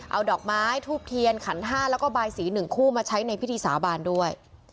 เอาดอกไม้ทูบเทียนขันห้าแล้วก็บายสี๑คู่มาใช้ในพิธีสาบานด้วย